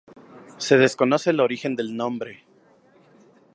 Se desconoce el origen del nombre.